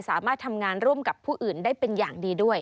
สามารถทำงานร่วมกับผู้อื่นได้เป็นอย่างดีด้วย